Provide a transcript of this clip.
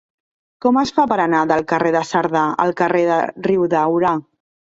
Com es fa per anar del carrer de Cerdà al carrer de Riudaura?